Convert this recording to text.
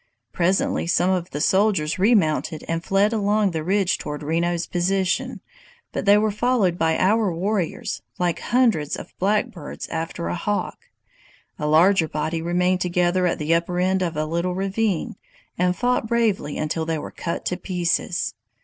"Presently some of the soldiers remounted and fled along the ridge toward Reno's position; but they were followed by our warriors, like hundreds of blackbirds after a hawk. A larger body remained together at the upper end of a little ravine, and fought bravely until they were cut to pieces.